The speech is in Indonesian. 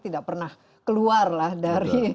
tidak pernah keluar lah dari